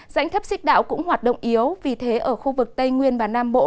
dãnh thấp xích đạo cũng hoạt động yếu vì thế ở khu vực tây nguyên và nam bộ